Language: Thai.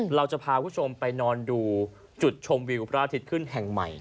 เราจะพาคุณผู้ชมไปนอนดูจุดชมวิวพระอาทิตย์ขึ้นแห่งใหม่